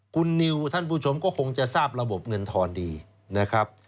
คุณนิวท่านผู้ชมก็คงจะทราบระบบเงินทอนดีนะครับ